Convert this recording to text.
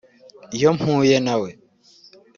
“Iyo mpuye na we